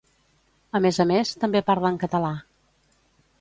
A més a més, també parlen català